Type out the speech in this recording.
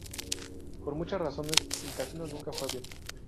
Por muchas razones, el casino nunca fue abierto.